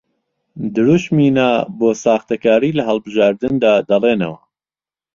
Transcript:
دروشمی نا بۆ ساختەکاری لە هەڵبژاردندا دەڵێنەوە